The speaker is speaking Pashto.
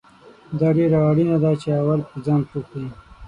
دا ډیره اړینه ده چې اول پرې ځان پوه کړې